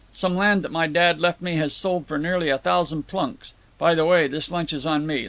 Some land that my dad left me has sold for nearly a thousand plunks. By the way, this lunch is on me.